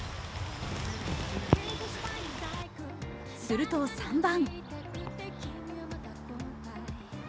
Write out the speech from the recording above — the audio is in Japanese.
すると３番。